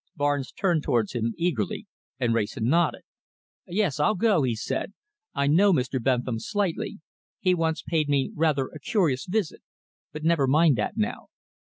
Barnes turned towards him eagerly, and Wrayson nodded. "Yes! I'll go," he said. "I know Mr. Bentham slightly. He once paid me rather a curious visit. But never mind that now."